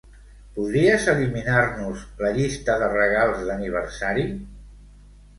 Podries eliminar-nos la llista de regals d'aniversari?